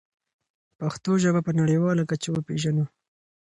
پښتو ژبه په نړیواله کچه وپېژنو.